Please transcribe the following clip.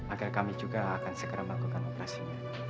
agar kami juga akan segera melakukan operasinya